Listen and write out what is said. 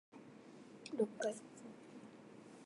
雨の音が屋根を伝って、優しく耳に届く